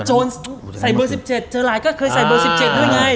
โจรใส่เบอร์๑๗เจอหลายก็เคยใส่เบอร์๑๗ด้วยไง